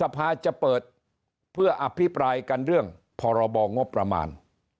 ไม่กี่เดือนสภาจะเปิดเพื่ออภิปรายกันเรื่องพรบงบประมาณ